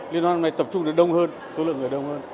liên quan này tập trung được đông hơn số lượng người đông hơn